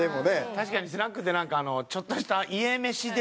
確かにスナックってなんかちょっとした家飯出てくる。